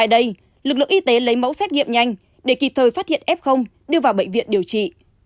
cơ quan y tế lấy mẫu xét nghiệm nhanh để kịp thời phát hiện f đưa vào bệnh viện điều trị